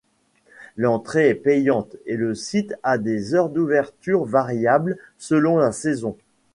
L'entrée est payante et le site a des heures d'ouverture variables selon la saison.